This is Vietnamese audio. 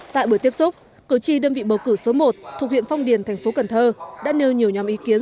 tại buổi tiếp xúc cử tri đơn vị bầu cử số một thuộc huyện phong điền thành phố cần thơ đã nêu nhiều nhóm ý kiến